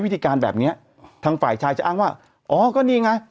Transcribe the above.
วิธีการแบบนี้ทางฝ่ายชายจะอ้างว่าอ๋อก็นี่ไง